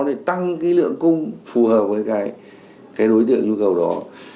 để tăng cái lượng cung phù hợp với cái đối tượng nhu cầu đó